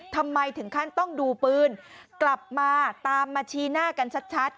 ทำไมถึงขั้นต้องดูปืนกลับมาตามมาชี้หน้ากันชัด